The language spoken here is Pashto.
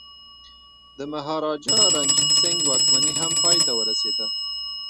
د مهاراجا رنجیت سنګ واکمني هم پای ته ورسیده.